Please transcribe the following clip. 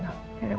dia boleh tenang